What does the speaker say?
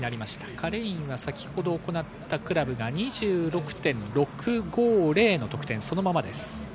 カレインはさきほど行ったクラブが２６．６５０、そのままです。